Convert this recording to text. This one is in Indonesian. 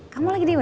kamu lagi di wc